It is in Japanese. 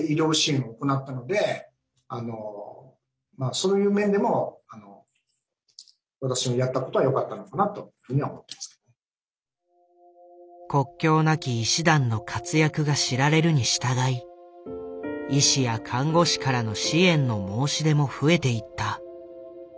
そういう面でも国境なき医師団の活躍が知られるに従い医師や看護師からの支援の申し出も増えていった。